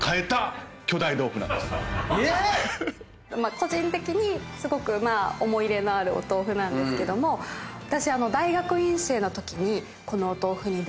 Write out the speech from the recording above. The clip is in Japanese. ⁉個人的にすごく思い入れのあるお豆腐なんですけども私。